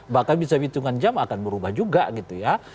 bahkan bisa hitungan jam akan berubah juga gitu ya